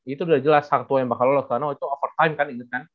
itu sudah jelas harto yang bakal lolos karena itu over time kan gitu kan